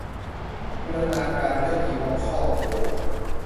บูรณาการด้วยทีมหมอครอบครัว